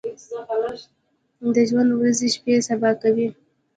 د ژوند ورځې شپې سبا کوي ۔